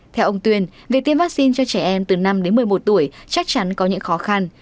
theo ông tuyên việc tiêm vaccine cho trẻ em từ năm đến một mươi một tuổi chắc chắn có những khó khăn